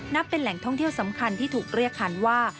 เป็นแหล่งท่องเที่ยวสำคัญที่ถูกเรียกคันว่า